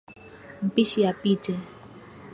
Mpishe apite.